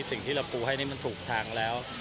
สิ่งที่เราปูให้นี่มันถูกทางแล้ว